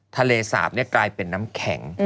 ทะเลสาบกลายเป็นน้ำแข็ง